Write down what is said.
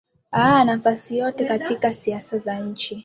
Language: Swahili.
aa nafasi yote katika siasa za nchi